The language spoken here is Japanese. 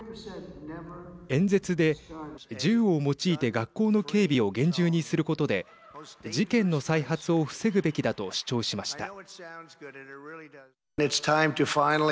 演説で銃を用いて学校の警備を厳重にすることで事件の再発を防ぐべきだと主張しました。